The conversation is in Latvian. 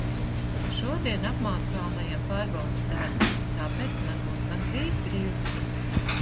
Šodien apmācāmajam pārbaudes darbi, tāpēc man būs gandrīz brīvdiena!